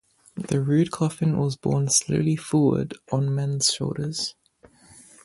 The rude coffin was borne slowly forward on men’s shoulders.